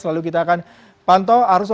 lalu kita akan pantau